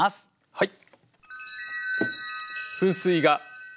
はい。